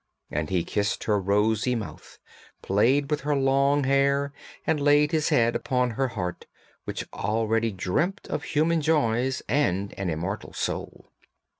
And he kissed her rosy mouth, played with her long hair, and laid his head upon her heart, which already dreamt of human joys and an immortal soul.